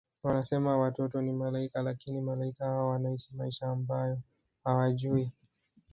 Wanasema watoto ni Malaika lakini Malaika hao wanaishi maisha ambayo hawajui